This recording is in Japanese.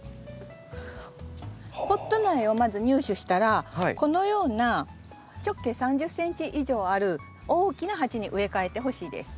ポット苗をまず入手したらこのような直径３０ｃｍ以上ある大きな鉢に植え替えてほしいです。